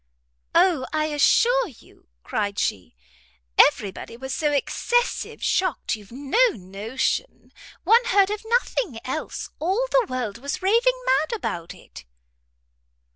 "O I assure you," cried she, "every body was so excessive shocked you've no notion; one heard of nothing else; all the world was raving mad about it."